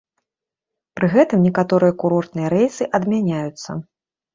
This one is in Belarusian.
Пры гэтым некаторыя курортныя рэйсы адмяняюцца.